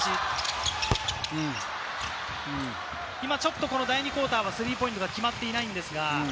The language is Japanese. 今ちょっと第２クオーターはスリーポイントが決まっていないのですが。